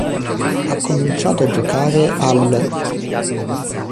Ha cominciato a giocare all'.